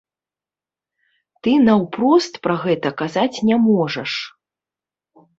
Ты наўпрост пра гэта казаць не можаш.